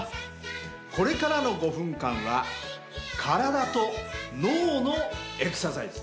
これからの５分間は体と脳のエクササイズ。